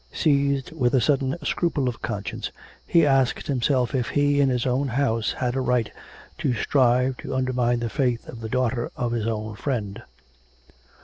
Seized with a sudden scruple of conscience, he asked himself if he, in his own house, had a right to strive to undermine the faith of the daughter of his own friend.